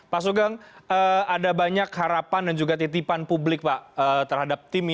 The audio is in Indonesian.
pak sugeng ada banyak harapan dan juga titipan publik pak terhadap tim ini